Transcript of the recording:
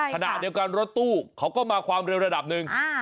ขณะเดียวกันรถตู้เขาก็มาความเร็วระดับหนึ่ง